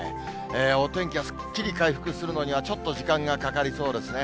お天気はすっきり回復するのには、ちょっと時間がかかりそうですね。